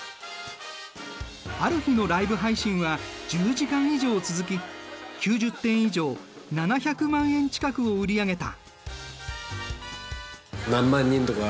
ある日のライブ配信は１０時間以上続き９０点以上７００万円近くを売り上げた。